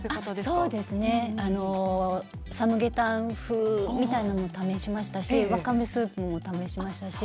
そうですねサムゲタン風みたいなものも試しましたしわかめスープも試しました。